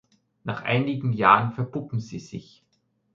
Nach einigen Jahren verpuppen sie sich.